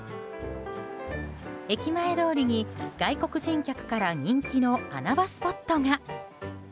駅前通りに外国人客から人気の穴場スポットが。